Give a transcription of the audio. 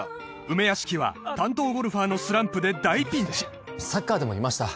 梅屋敷は担当ゴルファーのスランプで大ピンチサッカーでもいました